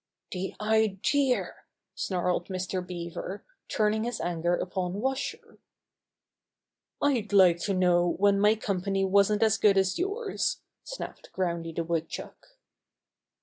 "The idea!" snarled Mr. Beaver, turning his anger upon Washer. "I'd like to know when my company wasn't as good as yours," snapped Groundy the Woodchuck.